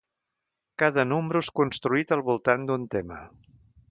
Cada número és construït al voltant d'un tema.